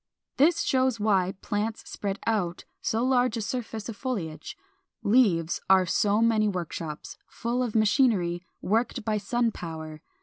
This shows why plants spread out so large a surface of foliage. Leaves are so many workshops, full of machinery worked by sun power.